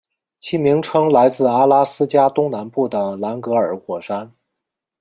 其名称来自阿拉斯加东南部的兰格尔火山。